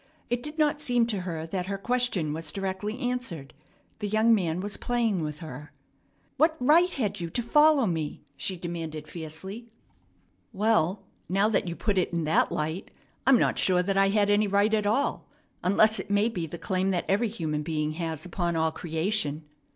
It did not seem to her that her question was directly answered. The young man was playing with her. "What right had you to follow me?" she demanded fiercely. "Well, now that you put it in that light, I'm not sure that I had any right at all, unless it may be the claim that every human being has upon all creation."